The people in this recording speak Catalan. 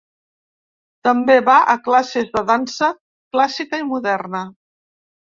També va a classes de dansa clàssica i moderna.